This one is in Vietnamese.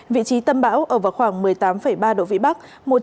vị trí tâm bão ở vào khoảng một mươi tám ba độ vĩ bắc